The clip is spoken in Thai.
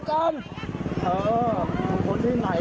ขอโทษนะทุกคน